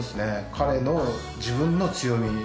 彼の自分の強み。